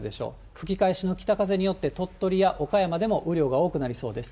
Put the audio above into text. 吹き返しの北風によって、鳥取や岡山でも雨量が多くなりそうです。